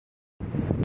تو اقتدار میں۔